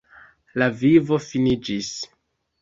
La vivo finiĝis.